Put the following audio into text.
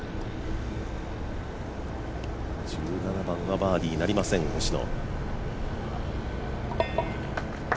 １７番はバーディーなりません星野。